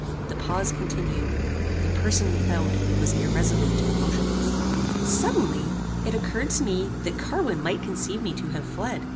The pause continued. The person without was irresolute and motionless. Suddenly, it occurred to me that Carwin might conceive me to have fled.